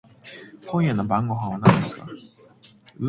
今夜の晩御飯は何ですか？